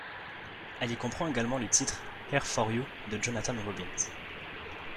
Elle y comprend également le titre ‘’Here For You’’ de Jonathon Robins.